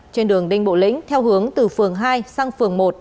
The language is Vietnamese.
trên đường đinh bộ lĩnh theo hướng từ phường hai sang phường một